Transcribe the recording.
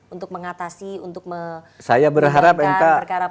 untuk mengatasi untuk mengatasi perkara pemilu